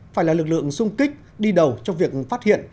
phải là lực lượng sung kích đi đầu trong việc phát hiện